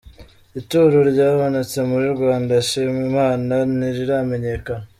Ituro ryabonetse muri Rwanda Shima Imana ntiriramenyekana.